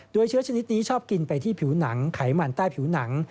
โดยเชื้อชนิดนี้ชอบกินไปที่ผิวหนังไขมันใต้ผิวหนัง